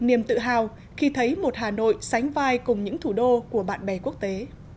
niềm tự hào khi thấy một hà nội sánh vai cùng những thủ đô của bạn bè quốc tế